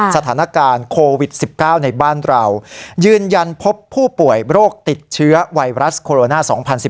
สถานการณ์โควิด๑๙ในบ้านเรายืนยันพบผู้ป่วยโรคติดเชื้อไวรัสโคโรนา๒๐๑๙